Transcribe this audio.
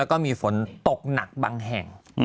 แล้วก็มีฝนตกหนักบางแห่ง